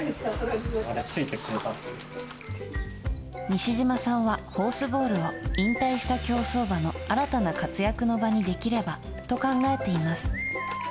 西島さんは、ホースボールを引退した競走馬の新たな活躍の場にできればと考えています。